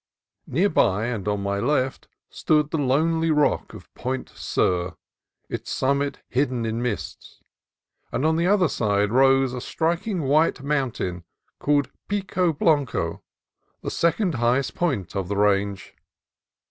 Near by, and on my left, stood the lonely rock of Point Sur, its summit hidden in mists; and on the other side rose a striking white mountain called Pico Blanco, the second highest point of the range.